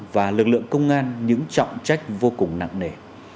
và lực lượng công an những trọng trách vô cùng nặng nề